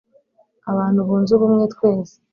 abantu bunze ubumwe twese